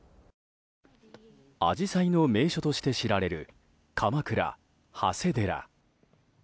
アジサイの名所として知られる鎌倉・長谷寺。